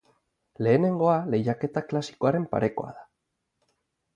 Lehenengoa lehiaketa klasikoaren parekoa da.